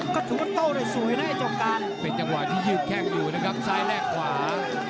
ก็ถือว่าโต้ได้สวยนะไอ้เจ้าการเป็นจังหวะที่ยืดแข้งอยู่นะครับซ้ายแลกขวา